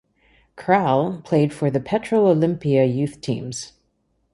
Kralj played for the Petrol Olimpija youth teams.